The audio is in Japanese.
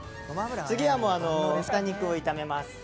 次はもう豚肉を炒めます。